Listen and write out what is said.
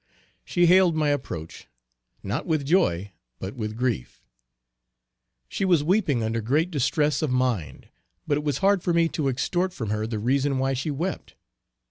She hailed my approach, not with joy, but with grief. She was weeping under great distress of mind, but it was hard for me to extort from her the reason why she wept.